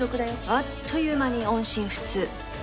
あっという間に音信不通！